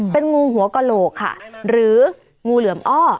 เป็นงูหัวกระโหลกค่ะหรืองูเหลือมอ้อ